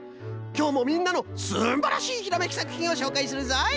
きょうもみんなのすんばらしいひらめきさくひんをしょうかいするぞい。